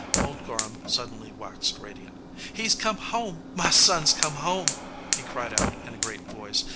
Old Gorham suddenly waxed radiant. "He s come home ! My son s come home !" he cried out in a great voice.